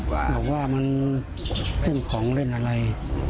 บอกว่ามันเรื่องของเล่นอะไร